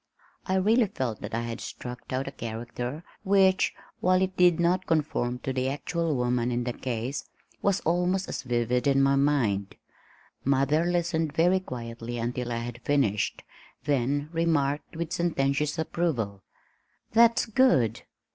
I really felt that I had struck out a character which, while it did not conform to the actual woman in the case, was almost as vivid in my mind. Mother listened very quietly until I had finished, then remarked with sententious approval. "That's good.